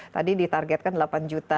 tadi ditargetkan delapan juta